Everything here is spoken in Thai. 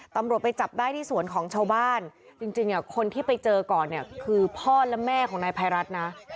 ตำรวจไปจับได้ที่สวนของชาวบ้านจริงคนที่ไปเจอก่อนเนี่ยคือพ่อและแม่ของนายภัยรัฐนะ